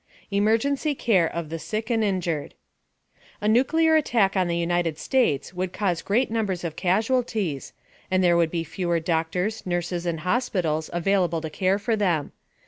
EMERGENCY CARE OF THE SICK AND INJURED A nuclear attack on the United States would cause great numbers of casualties, and there would be fewer doctors, nurses and hospitals available to care for them.